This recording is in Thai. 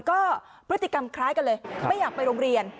ก็พฤติกรรมคล้ายกันเลยไม่อยากไปโรงเรียน